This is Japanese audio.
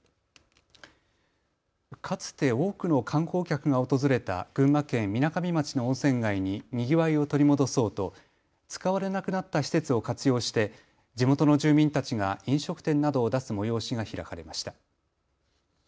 かつて多くの観光客が訪れた群馬県みなかみ町の温泉街ににぎわいを取り戻そうと使われなくなった施設を活用して地元の住民たちが飲食店などを出す催しが開かれました。